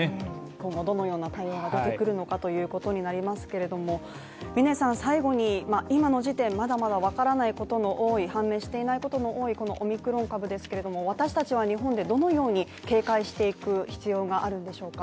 今後どのような課題が残っていくのかということになりますけれども、最後に、今の時点、まだまだ分からないことの多い判明していないことが多いオミクロン株ですけども、私たちは日本でどのように警戒していく必要があるんでしょうか？